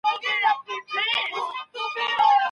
ښځې زیات اغېزمنې کېږي.